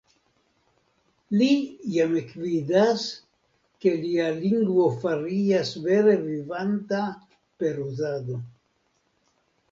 Li jam ekvidas, ke lia lingvo fariĝas vere vivanta per uzado.